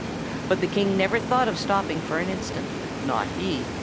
But the King never thought of stopping for an instant; not he!